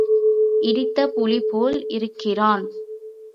இடித்த புளி போல் இருக்கிறான்.